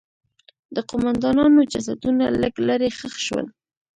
د قوماندانانو جسدونه لږ لرې ښخ شول.